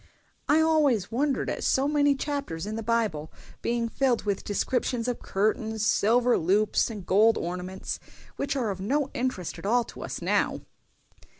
"I always wondered at so many chapters in the Bible being filled with descriptions of curtains, silver loops, and gold ornaments, which are of no interest at all to us now."